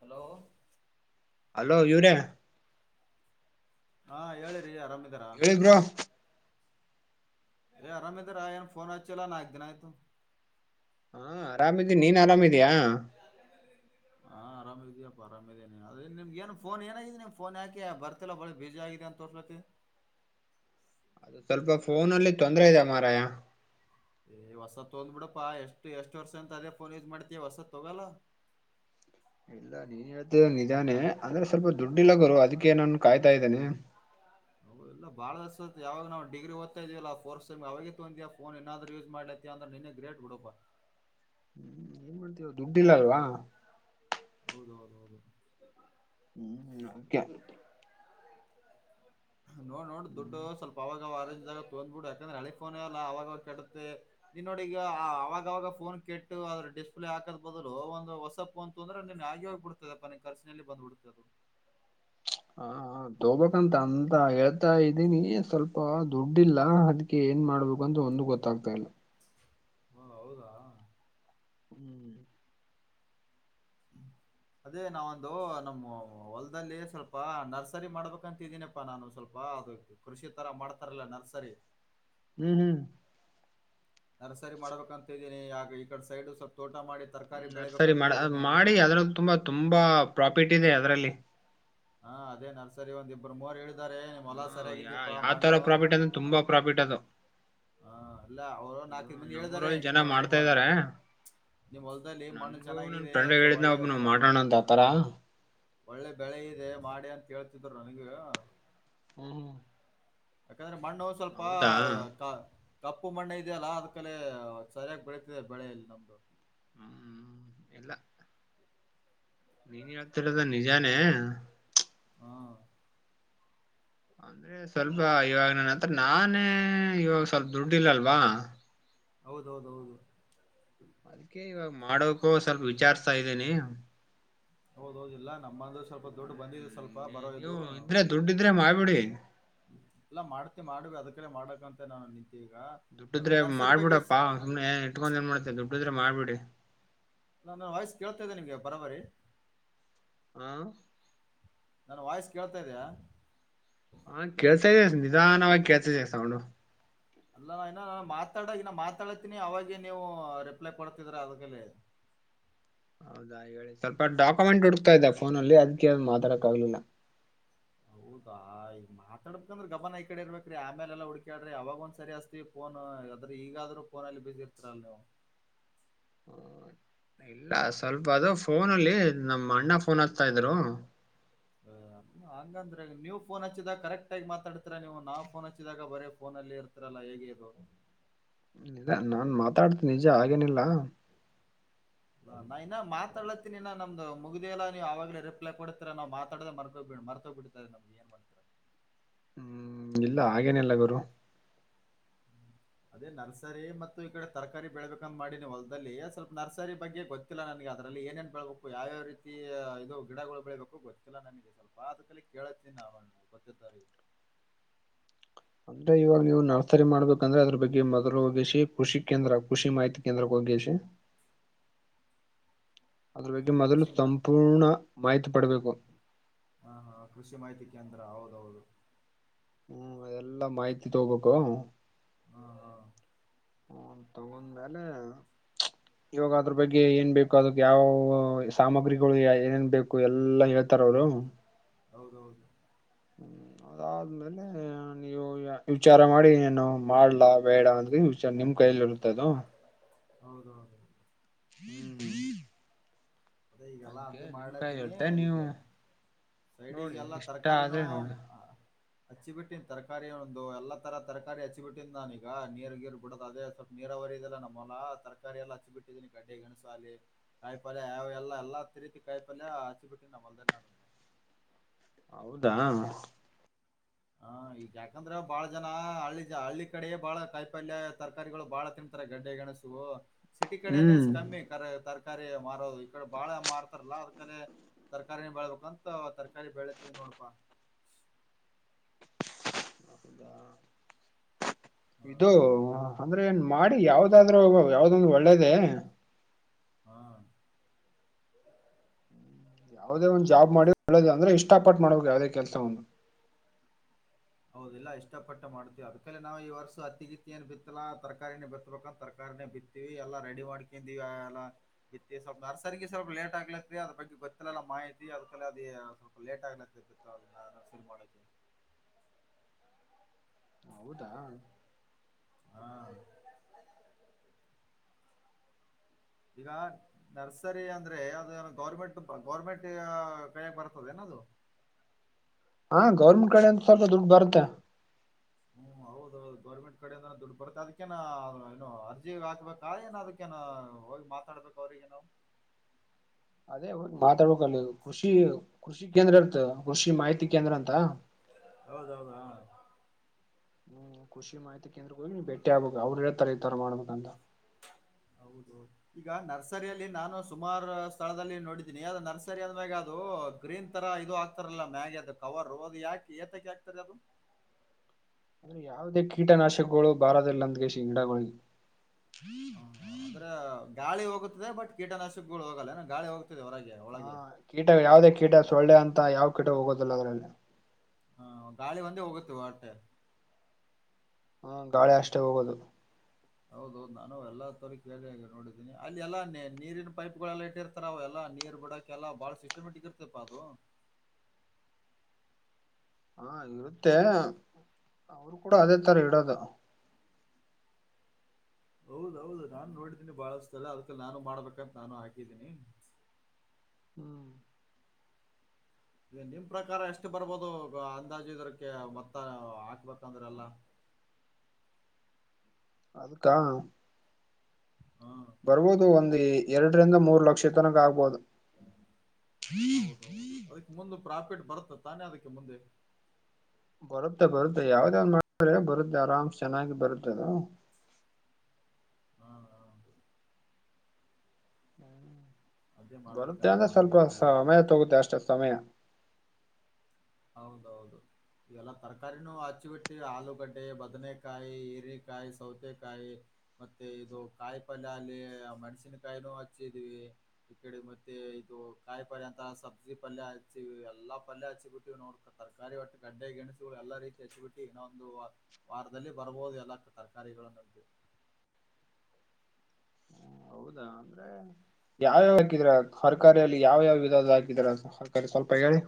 Hello hello ಇವರೆ ಹಾ ಹೇಳಿರಿ ಆರಾಮಿದಿರಾ ಬ್ರೊ ಎ ಅರಾಮಿದ್ರ ಆ ಏನ ಫೋನ್ ಹಚ್ಚಿಲ್ಲಾ ನಾಕ ದಿನ ಆಯತು ಹಾ ಆರಾಮಿದೀನಿ ನೀನ್ ಆರಾಮಿದಿಯಾ [inaudible] ಹಾ ಆರಾಮಾಗಿದ್ಯಾವಪ್ಪ ಆರಾಮಿದಿನಿ ಅದ ನಿಮ್ ಏನ್ ಫೋನ್ ಏನಾಗಿದೆ ಫೋನ್ ಯಾಕೆ ಬರ್ತಿಲ್ಲ ಒಳಿ ಬಿಜಿ ಆಗಿದೆ ಅಂತ ತೂಸಲತ್ತಿ ಅದು ಸ್ವಲ್ಪ ಫೋನ ಅಲ್ಲಿ ತೊಂದ್ರೆ ಇದೆ ಮಹಾರಾಯ ಏ ಹೊಸದ ತೊಂದಬಿಡಪ್ಪಾ ಎಷ್ಟ ಎಷ್ಟ ವರ್ಷ ಅಂತ ಅದೇ ಫೋನ್ ಯೂಸ್ ಮಾಡ್ತಿಯಾ ಹೊಸದ ತೊಗಲ್ಲ ಇಲ್ಲ ನೀನ್ ಹೇಳ್ತಾ ಇರದು ನಿಜಾನೆ ಅಂದ್ರೆ ಸ್ವಲ್ಪ ದುಡ್ಡಿಲ್ಲ ಗುರು ಅದಕ್ಕೆ ನಾನು ಕಾಯ್ತಾ ಇದ್ದೇನಿ ಹ ಇಲ್ಲ ಬಾಳ ದಿವಸಾತ್ ಯಾವಾಗ ನಾವ ಡಿಗ್ರಿ ಓದ್ತಾ ಇದೀವಲ್ಲ ಫೋರ್ತ ಸೇಮ ಅವಾಗೇ ತೊಂದಿ ಆ ಫೋನ್ ಇನ್ನಾದ್ರು ಯೂಸ್ ಮಾಡ್ತಿ ಅಂದ್ರ ನಿನ್ನೆ ಗ್ರೇಟ್ ಬೀಡಪಾ ಏನ್ ದುಡ್ಡಿಲ್ಲ ಅಲ್ವಾ ಹೌದೌದ ಹೌದು ಹ್ಮ್ ಅದಕ್ಕೆ ನೋಡ್ ನೋಡು ದುಡ್ಡು ಸ್ವಲ್ಪ ಅವಗವಾಗ ಅರಂಜಾದಾಗ ತೊಂಡಬಿಡು ಯಾಕಂದ್ರೆ ಹಳಿ ಫೋನ್ ಅಲ್ಲ ಅವಾಗವಾಗ ಕೆಡುತ್ತೆ ನೀನ್ ನೋಡಿ ಈಗ ಅವಾಗವಾಗ ಫೋನ್ ಕೆಟ್ಟು ಅದ್ರ ಡಿಸ್ಪ್ಲೇ ಹಾಕದ್ ಬದಲು ಒಂದು ಹೊಸ ಫೋನ್ ತೊಂದ್ರ ನೀನಗ ಆಗೆ ಹೋಗ್ಬಡ್ತದೆಪ್ಪ ನೀನ್ ಖರ್ಚಿನಲ್ಲಿ ಬಂದಬಿಡತದು ಹಾ ಹಾ ತೂಬೇಕಂತ ಅಂತ ಹೇಳ್ತಾ ಇದ್ದೀನಿ ಸ್ವಲ್ಪ ದುಡ್ಡ ಇಲ್ಲ ಅದಕ್ಕೆ ಏನ್ ಮಾಡ್ಬೇಕಂತ ಒಂದು ಗೊತ್ತ ಗೊತ್ತಾಗ್ತಾ ಇಲ್ಲ ಹಾ ಹೌದಾ ಹ್ಮ್ ಹ್ಮ್ ಅದೇ ನಾವೊಂದು ನಮ್ಮ ಹೊಲ್ದಲ್ಲಿ ಸ್ವಲ್ಪ ನರ್ಸರಿ ಮಾಡ್ಬೇಕಂತಿದೀನಪ್ಪಾ ನಾನು ಸ್ವಲ್ಪ ಅದು ಕೃಷಿ ತರ ಮಾಡ್ತಾರಲ್ಲಾ ನರ್ಸರಿ ಹ್ಮ್ ಹ್ಮ್ ನರ್ಸರಿ ಮಾಡ್ಬೇಕಂತ ಇದೀನಿ ಆಗ ಈ ಕಡೆ ಸೈಡ್ ಸ್ವಲ್ಪ ತೋಟ ಮಾಡಿ ತರಕಾರಿ ನರ್ಸರಿ ಬೆಳಿಬೇಕಂತ ಮಾಡ ಇದ್ದೀನಿ ಮಾಡಿ ಅದ್ರಲ್ಲಿ ತುಂಬಾ ತುಂಬಾ ಪ್ರಾಫಿಟ್ ಇದೆ ಅದರಲ್ಲಿ ಹಾ ಅದೇ ನರ್ಸರಿ ಒಂದ್ ಇಬ್ಬರು ಮೂರ್ ಹೇಳಿದಾರೆ ನಿಮ್ಮ್ ಹಾ ಹೊಲಾ ಯಾ ಸರಿಯಾಗಿದ್ದೀಪ್ಪಾ ಯಾವ ಮಣ್ಣು ತರ ಪ್ರಾಫಿಟ್ ಅಂದ್ರೆ ತುಂಬಾ ಪ್ರಾಫಿಟ್ ಅದು ಹ ಇಲ್ಲಾ ಅವರು ಹ್ಮ ನಾಕೈದು ಮಂದಿ ಹೇಳ್ದಾರೆ ನಮ್ಮೂರಲ್ಲಿ ಜನ ನಿಮ್ಮ ನಿಮ್ಮ ಮಾಡ್ತಾ ಇದ್ದಾರೆ ನಿಮ್ ಹೊಲ್ದಲ್ಲಿ ಮಣ್ಣ ನನ್ಗೂ ನನ್ ಚೆನ್ನಾಗಿದೆ ಫ್ರೆಂಡ್ ಹೇಳಿದ್ನ ಒಳ್ಳೆ ಒಬ್ನು ಮಾಡೋಣ ಅಂತ ಆತರ ಹ್ಮ್ ಒಳ್ಳೆ ಬೆಳೆ ಇದೆ ಮಾಡಿ ಅಂತ ಹೇಳುತ್ತಿದ್ದರು ನನಗೂ ಹ್ಮ ಹ್ಮ ಯಾಕಂದ್ರೆ ಮಣ್ಣು ಸ್ವಲ್ಪ ಕ ಕಪ್ಪು ಮಣ್ಣ ಇದೆಯಲ್ಲಾ ಅದ್ ಕಲೆ ಸರಿಯಾಗಿ ಬೆಳತಿದೆ ಬೆಳೆಯಲ್ಲಿ ನಮ್ದು ಹ್ಮ್ ಎಲ್ಲಾ ನೀನ್ ಹೇಳ್ತಿರೋದ ನಿಜಾನೇ ಹಾ ಅಂದ್ರೆ ಸ್ವಲ್ಪ ಇವಾಗ ನನ್ನ ಹತ್ರ ನಾನೇ ಇವಾಗ ಸ್ವಲ್ಪ ದುಡ್ಡುಲ್ಲಲ್ವಾ ಹೌದೌದ ಹೌದು ಅ ಇವಾಗ ಮಾಡೋಕು ಸ್ವಲ್ಪ ವಿಚಾರ್ಸ್ತಾ ಇದ್ದೇನಿ ಹೌದೌದ ಇಲ್ಲ ನಮ್ಮ ಅಂದ್ರೆ ಸ್ವಲ್ಪ ದೊಡ್ ಬಂದಿ ಸ್ವಲ್ಪ ಬರೋ ನೀವು ಇದು ಇದ್ರೆ ದುಡ್ಡಿದ್ರೆ ಮಾಡ್ಬಿಡಿ ಇಲ್ಲ ಮಾಡ್ತಿ ಮಾಡವಿ ಅದಕ್ರ ಮಾಡಕಂತ ನಾನು ನಿಂತೆ ಈಗ ಅದು ದುಡ್ಡಿದ್ರೆ ನರ್ಸರಿ ಬಗ್ಗೆ ಸ್ ಮಾಡ್ಬಿಡಪ್ಪಾ ಸು್ನೆಏ ಇಟ್ಕೊಂಡ್ ಏನ್ ಮಾಡ್ತೆ ದುಡ್ಡಿದ್ರೆ ಮಾಡ್ಬಿಡಿ ನಾನ ವಯಸ್ ಕೇಳ್ತಾ್ದನೆ ನಿಂಗೆ ಬರಾಬರಿ ಹಾ ನನ್ ವಾಯ್ಸ್ ಕೇಳ್ತಾ ಇದ್ದಯಾ ಹಾ ಕೇಳ್ಸಾ ಇದ ನಿಧಾನವಾಗಿ ಕೇಳ್ಸ ಇದ ಸೌಂಡು ಅಲ್ಲ ನಾ ಇನ ನಾನ ಮಾತಾಡ ಈ ನ ಮಾತಾಡತೀನಿ ಅವಾಗೆ ನೀವು ರಿಪ್ಲೈ ಕೊಡ್ತಿದ್ರ ಅದಕ್ಕೆಅಲೆ ಹೌದಾ ಸ್ವಲ್ಪ ಡಾಕ್ಯುಮೆಂಟ್ ಹುಡುಕ್ತಾ ಇದ್ದೆ ಇದದೆ ಫೋನ ಅದಕ್ಕೆ ಅ ಮಾತಾಡಕ್ ಆಗ್ಲಿಲ್ಲ ಹೌದಾ ಈಗ ಮಾತಾಡ್ಬೇಕಂದ್ರೆ ಗಮನ ಈ ಕಡೆ ಇರ್ಬೇಕ್ರೀ ಆಮೇಲೆಲ್ಲ ಹುಡ್ಕ್ಯಾಡ್ರಿ ಅವವಾಗ ಒಂದ್ ಸರಿ ಅಸ್ತಿ ಫೋನ್ ಆದದ್ರೂ ಈಗಾದ್ ಫೋನ ಅಲ್ಲಿ ಬಿಸಿಿ ಇರ್ತರಲ್ಲ ನೀವು ಇಲ್ಲ ಸ್ವಲ್ಪ ಅದು ಫೋನ ಅಲ್ಲಿ ನಮ್ಮ್ ಅಣ್ಣ ಫೋನ್ ಹಸ್ತ ಇದ್ರು ಹಂಗಂದ್ರೆ ನೀವು ಫೋನ್ ಹಚ್ಚಿದಾಗ ಕರೆಕ್ಟ್ ಆಗಿ ಮಾತಾಡ್ತರಾ ನೀವು ನಾವಾ ಫೋನ್ ಹಚ್ಚಿದಾಗ ಬರ ಫೋ ಅಲ್ಲಿ ಇರ್ತ ಹತ್ರಲ್ಲ ಹೇಗೆ ಇದು ಇದ ನಾನ್ ಮಾತಾಡ್ತ ನಿಜ ಹಾಗೇನಿಲ್ಲಾ ಾ ನಾ ಇನ್ನಾ ಮಾತಾಡತಿನಿನ ನಮ್ದ ಮುಗಿದಿಯ ಎಾ ನೀವು್ವಾಗಲ ರಿಪ್ಲೈ ಕೊಡ್ತೀರ ನಾ ಮಾತಡ್ದ ಮರ್ಕೋ್ಬೇಡ್ ಮರ್ ಬಿಡತರ್ ನಮ್ಗೆ ಎನ್ ಮಾಡತ ಹ್ಮ್ ಇಲ್ಲ ಹಾಗೇನೆಲ್ಲ ಗುರು ಹ್ಮ್ ಅದೇ ನರ್ಸರಿ ಮತ್ತು ಈ ಕಡೆ ತರಕಾರಿ ಬೆಳಬೇಕಂದ ಮಾಡಿನ ಹೊಲ್ದಲ್ಲಿ ಸ್ವಲ್ಪ ನರ್ಸರಿ ಬಗ್ಗೆ ಗೊತ್ತ ಗೊತ್ತಿಲ್ಲ ನನಗೆ ಅದರಲ್ಲಿ ಏನೇನ್ ಬೆಳಳ್ಬೇಕು ಯಾವ್ಯಾವ ರೀತಿ ಇದು ಗಿಡಗಳು ಬೆಳೀಬೇಕು ಗೊತ್ತಿಲ್ಲ ನನಗೆ ಸ್ವಲ್ಪ ಆದ ಕಲಿ ಕೇಳತ್ತೀನಿ ನಾ ಗೊತ್ತ ಅಂದ್ರೆ ಇವಾಗ ನೀವು ನರ್ಸರಿ ಮಾಡ್ಬೇಕಂದ್ರೆ ಅದ್ರ ಬಗ್ಗೆ ಮೊದಲು ಹೋಗಿ ಕೃಷಿ ಕೇಂದ್ರ ಕೃಷಿ ಮಾಹಿತಿ ಕೇಂದ್ರಕ್ಕೆ ಹೋಗಿಸಿಿ ಅದ್ರ ಬಗ್ಗೆ ಮೊದಲು ಕೃಷಿ ಮಾ ಸಂಪೂರ್ಣ ಮಾಹಿತಿ ಪಡಬೇಕು ಹಾ ಹಾ ಕೃಷಿ ಮಾಹಿತಿ ಕೇಂದ್ರ ಹೌದೌದು ಹ್ಮ್ ಅದೆಲ್ಲಾ ಮಾಹಿತಿ ತಗೋಬೇಕು ಹಾ ಹಾ ಹ ತಗೊಂಡಲೆ [inaudible] ಇವಾಗ ಅದ್ರ ಬಗ್ಗೆ ಏನ್ ಬೇಕು ಅದಕ್ ಯಾವ ಸಾಮಗ್ರಿಗಳು ಏನೇನ್ ಬೇಕು ಎಲ್ಲಾ ಹೇಳ್ತಾರ ಅವರು ಹೌದೌದು ಹ್ಮ್ ಅದಾದ್ಮೇಲೆ ನೀವು ವಿಚಾರ ಮಾಡಿ ಏನು ಮಾಡ್ಲಾ ಬೇಡ ಅಂದ ವಿಚಾರ ನಿಮ್ ಕೈಯಲ್ಲಿ ಇರುತ್ತೆ ಅದು ಹೌದೌದು [inaudible] ಹ್ಮ್ ಅದೇ ಎಲ್ಲ ಈಗಲ್ಲಾ ಅಂತ ಅದಕ್ಕೆ ನಿಮ್ ಕೈಲಿ ಮಾಡ್ಲಾತೀನಿ ಇರುತ್ತೆ ನೀವು ಇದು ಸೈಡಿಗೆ ನೋಡಿ ಎಲ್ಲ ಇಷ್ಟ ತರಕಾರಿನೂ ಆದ್ರೆ ನೋಡಿ ಹಚ್ಚಿಬಿಟ್ಟನ್ ತರಕಾರಿ ಒಂದು ಎಲ್ಲ ತರ ತರಕಾರಿ ಹಚ್ಚಿಬಿಟ್ಟೀನ್ ನಾನೀಗ ನೀರ್ ಗೀರು ಬಿಡೋ ಅದೇ ಸ್ವಲ್ಪ ನೀರಾವರಿ ಇದೆಲ್ಲ ನಮ್ಮಲ್ಲಾ ತರಕಾರಿ ಎಲ್ಲ ಹಚ್ಚಿ ಬಿಟ್ಟಿದ್ದೀನಿ ಕಡ್ಡೆ ಗಣಸು ಅಲ್ಲಿ ಕಾಯಿ ಪಾಲ್ ಯಾವ ಎಲ್ಲ ಎಲ್ಲ ಅ ರೀತಿ ಕಾಯಿ ಪಲ್ಯ ಹಚಿ ಬಿಟ್ಟಿ ನಮ್ಮ ಅಲ್ದೇ ನ ಹೌದಾ ಹ ಈಗ ಯಾಕಂದ್ರ ಬಾಳ ಜನ ಹಳ್ಳಿ ಹಳ್ಳಿ ಕಡೆ ಬಾಳ ಕಾಯಿ ಪಲ್ಯ ತರಕಾರಿಗಳು ಬಾಳ ತಿನ್ ಗಡ್ಡೆಗಣಸು ಸಿಟಿ ಕಡೆನ ಹ್ಮ್ ಕಮ್ಮಿ ಕ ತರ್ಕ ತಕಾರಿ ಮಾರೋದು ಈ ಕಡೆ ಬಾಳ ಮಾರ್ತಾರಲ್ಲ ಅದಕಲೇ ತರಕಾರಾರಿನ ಬೆಳ್ಬೇಕಂತ ತರಕಾರಿ ಬೆಳತಿದ ನೋಡಪಾ ಹಾ ಇದು ಅಂದ್ರೆ ಏನ್ ಮಾಡಿ ಯಾವ್ದಾದ್ರು ಯಾವ್ದೊಂದ್ರ ಒಳ್ಳೇದೇ ಹ್ಮ ಯಾವವುದೇ ಒಂದ ಜಾಬ್ ಮಾಡಿಳ್ಳದ ಅಂದ್ರೆ ಇಷ್ಟಪಟ್ಟ ಮಾಡಬೇಕ ಯಾವ್ದೇ ಕೆಲಸ ಒಂದು ಹೌದಲ್ಲ ಇಷ್ಟ ಪಟ್ಟ ಮಾಡ್ತೀವಿ ಅದಕಲ್ಲಿ ನಾವು ಈ ವರ್ಷ ಅತ್ತಿಗಿತ್ತ ಏನ್ ಬಿತ್ತಲ್ಲಾ ತರಕಾರಿನೇ ಬಿತ್ಬೇಕಂದ ತರಕಾರಿನೇ ಬಿ ವಿ ಎಲ್ಲಾ ರೆಡಿ ಮಾಡ್ಕೊಂಡಿವವಿ ಎಲ್ಲಾ ಇ ಸ್ವಲ್ಪ ನರ್ಸರಿಗೆ ಸ್ವಲ್ಪ ಲೇಟ್ ಆಗ್ಲತ್ ಅದ ಬಗ್ಗೆ ಗೊತ್ತಲೆಲ್ಲಾ ಮಾಹಿತಿ ಅದಕಲ್ಲ ಅದ ಸ್ವಲ್ಪ ಲೇಟ್ ಆಗತಿತ್ತು ಮಾಡಕ್ಕೆ ಹೌದಾ ಹ್ಮ ಈಗಾರ್ ನರ್ಸರಿ ಅಂದ್ರೆ ಅದು ಗೌರ್ಮೆಂಟ್ ಗೌರ್ಮೆಂಟ್ ಕೈಗ ಬರ್ತದೇಏನ ಅದು ಹಾ ಗೌರ್ಮೆಂಟ್ ಕಡೆ ಅಂದು ಸ್ವಲ್ಪ ದುಡ್ಡು ಬರ್ತ್ತೆ ಹ್ಮ ಹೌದು ಹೌ ಗೌರ್ಮೆಂಟ್ ಕಡೆಯಿಂದ ದುಡ್ಡು ಬರುತ್ತೆ ಅದಕ್ಕೇ ಏನು ಅರ್ಜಿ ಹಾಕ್ಬೇಕ ಏ ಅದಕ್ಕೇ ಹೋಗಿ ಸ ಬಾರಿ ಜನವು [unintelligible] ಅದೇ ಹ ಮಾತಾಡ್ಬೇಕ ಕೃಷಿ ಕೃಷಿ ಕೇಂದ್ರ ಇರ್ತ ಕೃಷಿ ಮಾಹಿತಿ ಕೇಂದ್ರ ಅಂತ ಹೌದೌದ ಹಾ ಕೃಷಿ ಮಾಹಿತಿ ಕೇಂದ್ರ ಕನ್ನಡ ಹೋಗಿ ಬೆಟ್ಟಿ ಆಗಬೇಕ ಅವ್ರ ಹೇಳತರ ಈ ತರ ಮಾಡಬಕ ಅಂತ [unintelligible] ಹೌದು ಈಗ ನರ್ಸರಿಯಲ್ಲಿ ನಾನು ಸುಮಾರು ಸ್ಥಳದಲ್ಲಿ ನೋಡಿದ್ದೀನಿ ಅ ನರ್ಸರಿ ಅಂದ್ಮ್ಯಾಗ ಅದು ಗ್ರೀನ್ ತರ ಇದು ಆಗ್ತಾರಲ್ಲ ಮ್ಯಾಗಿ ಅದು ಕವರ್ ಅದು ಯಾಕೆ ಏತಕ ಹಾಕ್ತಾರೆ ಅದು ಅಂದ್ರೆ ಯಾವುದೇ ಕೀಟನಾಶಕಗಳು ಬಾರದಿಲ್ಲ ಅಂದ್ಗೆಸಿ ಗಿಡಗಳಿಗೆ ಹಾ ಅಂದ್ರೆ ಗಾಳಿ ಹೋಗ್ತಿದೆ ಬಟ್ ಕೀಟನಾಶಕಗಳು ಹೋಗಲ್ಲ ಗಾಳಿ ಹೋಗ್ತದೆ ಹೊರ ಹಾ ಕೀಟ ಯಾವ್ದೇ ಕೀಟ ಸೊಳ್ಳೆ ಅಂತ ಯಾವ್ ಕೀಟ ಹೋಗೋದಿಲ್ಲ ಅದ್ರಲ್ಲಿ ಹಾ ಗಾಳಿ ಒಂದೇ ಹೋಗುತ್ತೆ ಹೊಟ್ಟೆ ಹ್ಮ ಗಾಳಿ ಅಷ್ಟೇ ಹೋಗೋದು ಹೌದೌನಾನು ಎಲ್ಲ ತೋರಿ ಕೇಳಿ ನೋಡಿದ್ದೀನಿ ಅಲ್ಲಿ ಎಲ್ಲಾ ನೀರಿನ ಪೈಪ್ ಗಳೆಲ್ಲ ಇಟ್ಟಿರ್ತಾರೆ ಅವೆಲ್ಲಾ ನೀರ್ ಕೂಡ ಎಲ್ಲ ಬಾಳ ಸಿಸ್ಟಮ್ಯಾಟಿಕ್ ಇರ್ತೈಪಾ ಅದು ಹಾ ಇರುತ್ತೆ ಅವರು ಕೂಡ ಅದೇ ತರ ಇಡೋದು ಹೌದೌದು ನಾನು ನೋಡಿದ್ದೀನಿ ಬಾಳಷ್ಟ ಅಲ್ಲ ಅದ್ಕಲ್ಲಿ ನಾನು ಮಾಡ್ಬೇಕಂತ ನಾನು ಹಾಕಿದ್ದೀನಿ ಹ್ಮ್ ಈ ನಿಮ್ ಪ್ರಕಾರ ಎಷ್ಟು ಬರ್ಬೋದು ಅಂದಾಜ ಇದ್ರಕ್ಕೆ ಮತ್ತ ಹಾಕ್ಬೇಕಂದ್ರೆ ಎಲ್ಲಾ ಅದುಕ [unintelligible] ಹಾ ಬರ್ಬೋದು ಒಂದು ಎರಡರಿಂದ ಮೂರು ಲಕ್ಷ ತನಕ ಆಗ್ಬಹುದು ಹೌದೌದು ಅದಕ್ ಮುಂದೆ ಪ್ರಾಫಿಟ್ ಬರುತ್ತ ತಾನೇ ಅದಕ್ಕೆ ಮುಂದೆ ಬರುತ್ತೆ ಬರುತ್ತೆ ಯಾವ್ದಾವ್ ಮಾಡಿದ್ರೆ ಬರುತ್ತೆ ಆರಾಮ್ಸ ಚೆನ್ನಾಗಿ ಬರುತ್ತದು ಹಾ ಹಾ ಅದೇ ಬರುತ್ತೆ ಮಾಡ್ಬೇಕಂತ ಅಂದ್ರೆ ಸ್ವಲ್ಪ ಮಾಡಿದೀವಿ ಸಮಯ ತಗುತ್ತೆ ಅಷ್ಟೆ ಸಮಯ. ಹೌದೌದು ಇವೆಲ್ಲ ತರಕಾರಿನೂ ಹಚ್ಚಿ ಬಿಡ್ತವಿ ಆಲೂಗಡ್ಡೆ ಬದನೆಕಾಯಿ ಈರೆಕಾಯಿ ಸೌತೆಕಾಯಿ ಮತ್ತೆ ಇದು ಕಾಯಿ ಪಲ್ಯ ಅಲ್ಲಿ ಮೆಣ್ಸನ್ಕಾಯಿನೂ ಹಚ್ಚಿದೀವಿ. ಈ ಕಡೆ ಮತ್ತೆ ಇದು ಕಾಯಿ ಪಲ್ಯ ಅಂತ ಸಬ್ಜಿ ಪಲ್ಯ ಹಚ್ಚಿವ್ ಎಲ್ಲಾ ಪಲ್ಯ ಹಚ್ಚಿಬಿ ತೀವ್ ನೋಡ್ಕ ತರಕಾರಿ ಒಟ್ಟು ಗಡ್ಡೆ ಗೆಣಸುಗಳು ಎಲ್ಲಾ ರೀತಿ ಹೆಚ್ಚಿ ಬಿಟ್ಟು ಏನೋ ಒಂದು ವಾರದಲ್ಲಿ ಬರ್ಬೋದು ಎಲ್ಲ ತರಕಾರಿಗಳನ್ನಂತೂ ಹೌದಾ ಅಂದ್ರೆ ಯಾವ ಯಾವ ಹಾಕಿದರ ತರ್ಕಾರಿಯಲ್ಲಿ ಯಾವ ಯಾವ್ ವಿಧದ ಹಾಕಿದಿರ ತರ್ಕಾರಿ ಸ್ವಲ್ಪ ಹೇಳಿ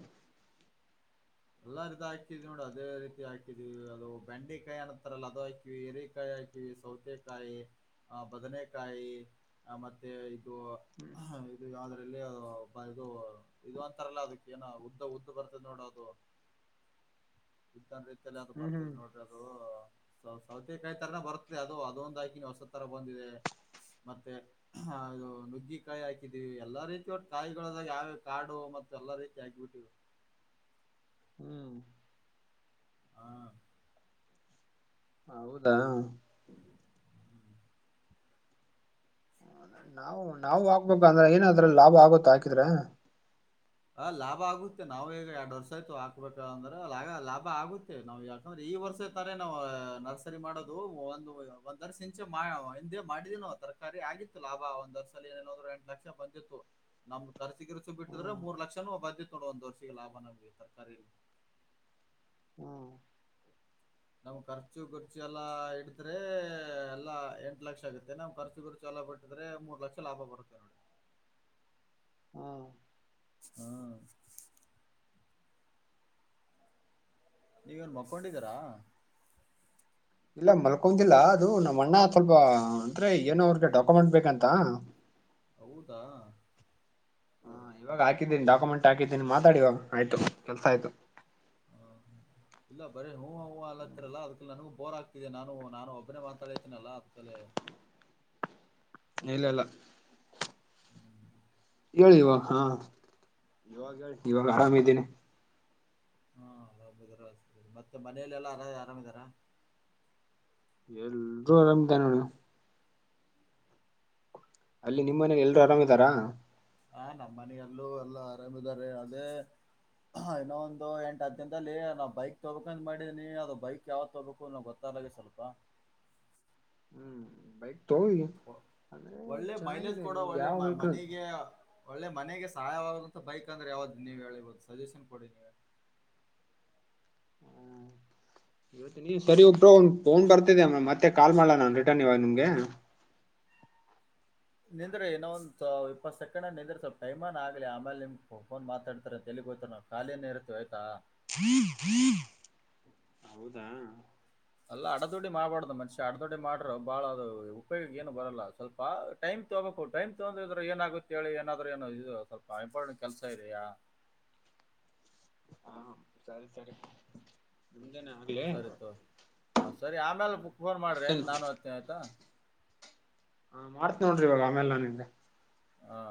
ಎಲ್ಲಾ ರೀದ್ ಹಾಕಿದ್ವಿ ನೋಡಿ ಅದೇ ರೀತಿ ಹಾಕಿದೀವಿ ಅದು ಬೆಂಡೆ ಕಾಯಿ ಅನ್ನತ್ತಾರಲ್ಲ ಅದು ಹಾಕಿವಿ ಎರಿಕಾಯಿ ಹಾ ಇ ಸೌತೆಕಾಯಿ ಆ ಬದನೆಕಾಯಿ ಆ ಮತ್ತೆ ಇದು ಆ ಇದು ಯಾದ್ರಲ್ಲಿ ಬ ಇದು ಇದು ಒಂತರಲ್ಲ ಅದಕ್ಕ ಏನ ಉದ್ದ ಉದ್ದ ಬರ್ತದ್ ನೋಡದು. ಇದ್ದಂದ ರೀತಿಯಲ್ಲಿ ಅದು ಹ್ಮ್ ಬರ್ತದ್ ಹ್ಮ್ ನೋಡ್ರಿ ಅದು ಸೌ ಸೌತೆಕಾಯಿ ತರನೆ ಬರುತ್ತೆ ಅದು ಅದೊಂದು ಹಾಕಿನಿ ಹೊಸ ತರ ಬಂದಿದೆ ಮತ್ತೆ ಹದು ನುಗ್ಗಿ ಕಾಯಿ ಹಾಕಿದೀವಿ ಎಲ್ಲಾ ರೀತಿ ಒಟ್ಟ ಕಾಯಿಗಳದಾಗ ಯಾವ ಕಾಡು ಮತ್ತ್ ಎಲ್ಲಾ ರೀತಿ ಹಾಕಿಬಿಟ್ಟಿವ್. ಹ್ಮ್ ಹಾ ಹೌದಾ ಹ್ಮ್ಮ್ ನಾವು ನಾವು ಹಾಕ್ಬೇಕ ಅಂದ್ರೆ ಏನದ್ರಲ್ ಲಾಭ ಆಗುತ್ತ ಹಾಕಿದ್ರೆ. ಅ ಲಾಭ ಆಗುತ್ತೆ ನಾವ್ ಈಗ ಎರಡು ವರ್ಷ ಆಯ್ತು ಹಾಕ್ಬೇಕ ಅಂದ್ರೆ ಲಾಗ ಲಾಭ ಆಗು ನಾವ್ ಯಾಕಂದ್ರೆ ಈ ವರ್ಷ ಇರ್ತಾರೆ ನಾವು ನರ್ಸರಿ ಮಾಡೋದು ಒನ್ ಒಂದ್ ವರ್ಶ ಹಿಂದೆ ಮಾಡಿದೀನೋ ತರಕಾರಿ ಆಗಿತ್ತು ಲಾಭ ಒಂದ ವರ್ಸಲಿ ಏನೇನಾದ್ರರು ಎಂಟು ಲಕ್ಷ ಬಂದಿತ್ತು. ನಮ್ ಕರ್ಸಿ ಗಿರ್ಸಿ ಬಿಟ್ಟಿದ್ರೆ ಹ್ಮ್ ಮೂರ್ ಲಕ್ಷನೋ ಬಂದಿತ್ತ್ ತಗೋ ಒಂದ್ ವರ್ಷಿಗೆ ಲಾಭ ನಮಗೆ ತರ್ಕಾರಿಲ್. ಹ್ಮ ನಮ್ ಖರ್ಚು ಗಿರ್ಚು ಎಲ್ಲಾ ಹಿಡಿದ್ರೆ ಎಲ್ಲಾ ಎಂಟ್ ಲಕ್ಷ ಆಗುತ್ತೆ ನಮ್ ಖರ್ಚು ಗಿರ್ ಚೆಲ್ಲ ಬಿಟ್ಟಿದ್ರೆ ಮೂರ್ ಲಕ್ಷ ಲಾಭ ಬರುತ್ತೆ ನೋಡಿ. ಹ್ಮ ಹ್ಮ್ ನೀವೇನ್ ಮಕ್ಕೊಂಡಿದಿರಾ. ಇಲ್ಲ ಮಲ್ಕೊಂದಿಲ್ಲ ಅದು ನಮ್ಮ ಅಣ್ಣ ಸ್ವಲ್ಪ ಅಂದ್ರೆ ಏನೋ ಅವ್ರಿಗೆ ಡಾಕ್ಯುಮೆಂಟ್ ಬೇಕಂತ ಹೌದಾ ಇವಾಗ್ ಹಾಕಿದೀನ್ ಡಾಕ್ಯುಮೆಂಟ್ ಹಾಕಿದ್ದಿನಿ ಮಾತಾಡಿವಾಗ ಆಯ್ತ ಕೆಲ್ಸ ಆಯ್ತು. ಹ ಇಲ್ಲ ಬರೀ ಹೂ ಹೂವು ಅಲ್ಲತ್ತರಲ್ಲ ಅದಕ್ಕ ನನಗೂ ಬೋರ್ ಆಗ್ ದೆ ನಾನು ನಾನು ಒಬ್ಬನೇ ಮಾತಾಡತೀನಲ್ಲ ಅದ್ಕಲೆ ಇಲ್ಲಲ್ಲ. ಹೇಳಿ ಇವಾಗ ಹಾ ಇವಾಗ ಇವಾಗ್ ಆರಾಮ ಇದ್ದೀನಿ. ಹಾ ಅರಾಮಿದ್ದಾರೆ [unintelligible] ಮತ್ತೆ ಮನಲೆಲ್ಲಾ ಆರದ್ ಆರಾಮಿದಾರ. ಎಲ್ರೂ ಆರಾಮಿದಾರ್ [unintelligible] ಅಲ್ಲಿ ನಿಮ್ ಮನೇಲಿ ಎಲ್ರು ಆರಾಮ್ ಇದಾರ. ಹಾ ನಮ್ಮ ಮನೆಯಲ್ಲೂ ಎಲ್ಲು ಆರಾಮಿದಾರೆ ಅದೇ ಇನ್ನೊ ಒಂದು ಎಂಟು ಹತ್ತು ದಿನದಲ್ಲಿ ನಾವ್ ಬೈಕ್ ತೊಗಬೇಕಂತ್ ಮಾಡಿನಿ ಅದು ಬೈಕ್ ಯಾವ್ದ ತಗೋಬೇಕು ಅನ್ನೋದ್ ಗೊ ತಾದಗೆ ಸ್ವಲ್ಪ ಹ್ಮ್ ಬೈಕ್ಟೊ. ಒಳ್ಳೆ ಮೈಲೇಜ್ ಕೊಡೊ ಒಳ್ಳೆ ಯಾವ ವೆಹಿಕಲ್ ಮನಿಗೆ. ಒಳ್ಳೆ ಮನೆಗೆ ಸಹಾಯವಾಗುವಂತ ಬೈಕ್ ಅಂದ್ರ ಯಾವ್ದ ನೀವು ಹೇಳಬಹುದು ಸಜಷನ್ ಕೊಡಿ ನೀವ. [unintelligible] ಹೇಳ್ತೀನಿ ಸರಿ ಬ್ರೋ ಒಂದ ಫೋನ್ ಬರ್ತಿದೆ ಮತ್ತೆ ಕಾಲ್ ಮಾಡ್ಲ ನಾನು ರಿಟರ್ನ್ ಇವಗ್ ನಿಮಗೆ. ನಿಂದ್ರು ಇನ್ನೊ ಒಂದು ಇಪ್ಪತ್ ಸೆಕಂಡ್ ನಿಂದ್ರು ಸ್ವಲ್ಪ ಟೈಮ್ ನಾ ಆಗ್ಲಿ ಅಮೇಲ್ ನಿಮ್ ಫೋನ್ ಮಾತಾಡ್ತಾರೆ ಎಲ್ಲಿಗ್ ಹೋಗ್ತಾನೆ ಅವ್ನು. ಕಾಲಿನೇ ಇರ್ತೀವಿ ಆಯ್ತಾ. [unintelligible] ಹೌದಾ. ಅಲ್ಲ ಅಡ್ಡದೊಡ್ಡಿ ಮಾಡಬಾರ್ದ ಮನುಷ್ಯ ಅಡ್ಡದೊಡ್ಡಿ ಮಾಡ್ರರು ಬಾಳ ಅದು ಉಪಯೋಗಕ್ಕೆ ಏನು ಬರಲ್ಲ ಸ್ವಲ್ಪ. ಟೈಮ್ ತಗೋಬೇಕು ಟೈಮ್ ತೊಂದಿದ್ರ ಏನಾಗುತ್ತ ಹೇಳಿ ಏನಾದ್ರೂ ಏನ ಇದು ಸ್ವಲ್ಪ ಇಂಪಾರ್ಟೆಂಟ್ ಕೆಲಸ ಇದಯಾ. ಹ ಸರಿ ಸರಿ ನಿಮ್ದನ. ಸರಿ ತೋ ಹಾಂ ಸರಿ ಆಮೇಲೆ ಬುಕ್ ಫೋನ್ ಮಾಡಿರಿ ಆಯ್ತು ಅಷ್ಟೇನು ನಾನು ಹಚ್ತಿನಿ ಆಯ್ತಾ. ಹಾ ಮಾಡ್ತನಿ ನೋಡ್ರಿ ಆಮೇಲೆ ನನ್ ಹಿಂದೆ. ಹಾ